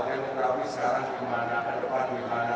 dia mengetahui sekarang gimana ke depan gimana